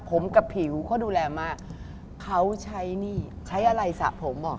ไปถึงคนนี้ก็